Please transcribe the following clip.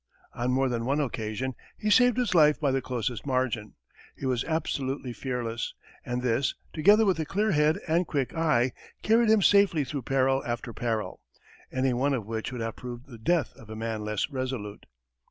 On more than one occasion, he saved his life by the closest margin. He was absolutely fearless, and this, together with a clear head and quick eye, carried him safely through peril after peril, any one of which would have proved the death of a man less resolute.